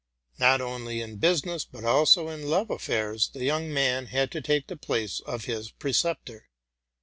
Not only in business, but also in love affairs, the young man had to take the place of his preceptor.